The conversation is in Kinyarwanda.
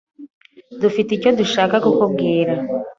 Dufite icyo dushaka kukubwira.